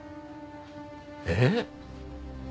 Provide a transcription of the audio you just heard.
えっ？